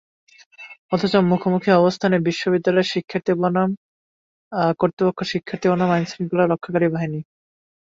অথচ মুখোমুখি অবস্থানে বিশ্ববিদ্যালয়ের শিক্ষার্থী বনাম কর্তৃপক্ষ, শিক্ষার্থী বনাম আইনশৃঙ্খলা রক্ষাকারী বাহিনী।